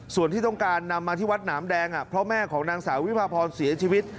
ส่วนที่ต้องการนำมาที่วัดหนามแดงเพราะแม่ของนางสาววิพาพรเสียชีวิต